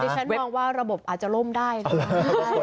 ฉันมองว่าระบบอาจจะล่มได้นะคะ